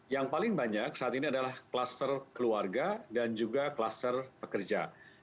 yang paling banyak saat ini adalah kluster keluarga dan juga kluster pekerja